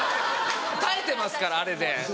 耐えてますからあれで。